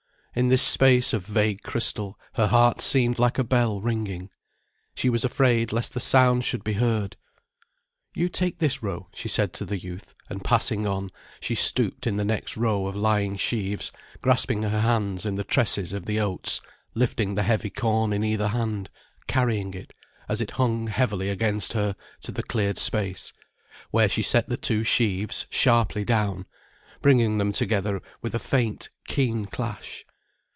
In this space of vague crystal her heart seemed like a bell ringing. She was afraid lest the sound should be heard. "You take this row," she said to the youth, and passing on, she stooped in the next row of lying sheaves, grasping her hands in the tresses of the oats, lifting the heavy corn in either hand, carrying it, as it hung heavily against her, to the cleared space, where she set the two sheaves sharply down, bringing them together with a faint, keen clash.